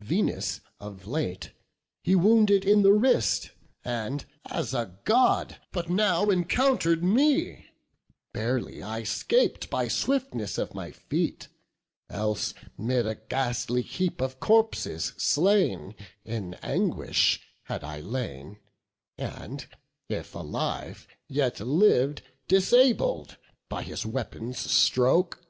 Venus of late he wounded in the wrist, And, as a God, but now encounter'd me: Barely I 'scap'd by swiftness of my feet; Else, 'mid a ghastly heap of corpses slain, In anguish had I lain; and, if alive, Yet liv'd disabl'd by his weapon's stroke."